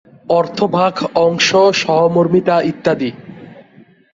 অর্থ ভাগ, অংশ, সহমর্মিতা ইত্যাদি।